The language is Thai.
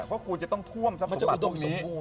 ก็ควรจะต้องท่วมทรัพเจ้าอยู่ตรงนี้